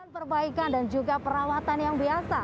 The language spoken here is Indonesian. perbaikan dan juga perawatan yang biasa